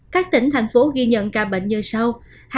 các tỉnh thành phố ghi nhận ca bệnh như sau